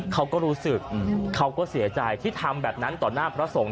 เขาก็รู้สึกเขาก็เสียใจที่ทำแบบนั้นต่อหน้าพระสงฆ